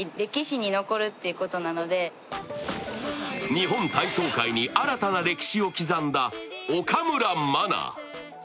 日本体操界に新たな歴史を刻んだ岡村真。